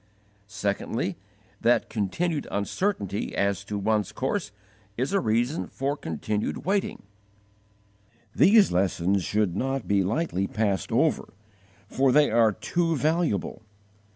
Secondly, that continued uncertainty as to one's course is a reason for continued waiting. These lessons should not be lightly passed over, for they are too valuable.